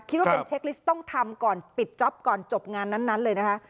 คิดว่าเป็นเช็คลิสต์ต้องทำก่อนปิดจ๊อปก่อนจบงานนั้นเลยนะคะ